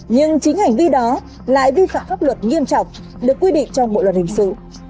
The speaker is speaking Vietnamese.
nhưng chính hành vi đó lại vi phạm pháp luật nghiêm trọng được quy định trong bộ luật hình sự